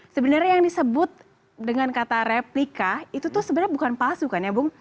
sebenarnya yang disebut dengan kata replika itu tuh sebenarnya bukan palsu kan ya bung